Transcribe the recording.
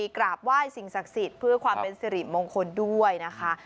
กราบไหว้สิ่งศักดิ์สิทธิ์เพื่อความเป็นสิริมงคลด้วยนะคะ